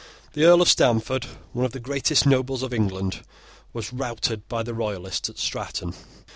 The Earl of Stamford, one of the greatest nobles of England, was routed by the Royalists at Stratton.